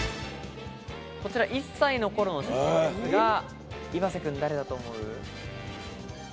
こちら１歳の頃の写真ですが、岩瀬くん、誰だと思う？